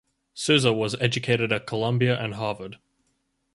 Souza was educated at Columbia and Harvard.